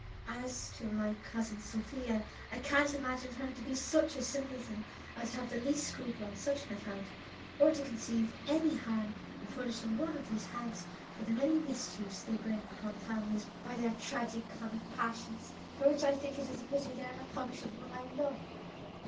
As to my cousin Sophia, I can't imagine her to be such a simpleton as to have the least scruple on such an account, or to conceive any harm in punishing one of these haggs for the many mischiefs they bring upon families by their tragi comic passions; for which I think it is a pity they are not punishable by law.